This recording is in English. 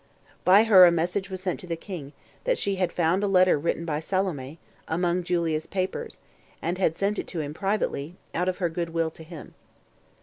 By her a message was sent to the king, that she had found a letter written by Salome, among Julia's papers, and had sent it to him privately, out of her good will to him.